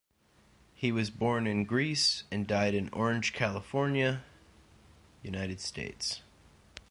He was born in Greece and died in Orange, California, United States.